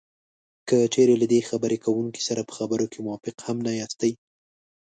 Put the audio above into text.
که چېرې له خبرې کوونکي سره په خبرو کې موافق هم نه یاستی